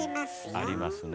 ありますね